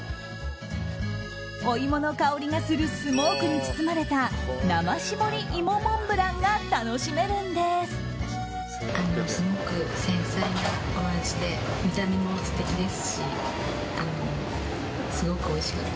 お芋の香りがするスモークに包まれた生搾り芋モンブランが楽しめるんです。